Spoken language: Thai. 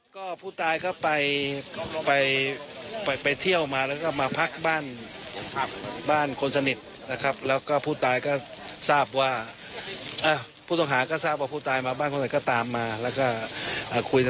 คุยกันนะครับแล้วอาจจะคุยกันไม่ลงตัวหรือไงก็ตามเนี่ย